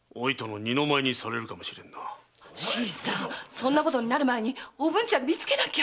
そんなことになる前におぶんちゃん見つけなきゃ！